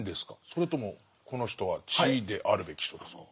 それともこの人は地であるべき人ですか？